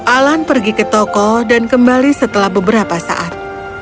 alan pergi ke toko dan kembali setelah beberapa saat